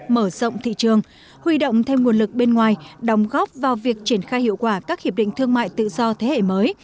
mở rộng thị trường huy động thêm nguồn lực bên ngoài đóng góp vào việc triển khai hiệu quả các hiệp định thương mại tự do thế hệ mới